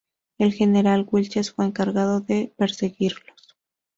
El general Wilches fue encargado de perseguirlos.